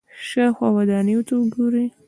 شاوخوا ودانیو ته وګورئ.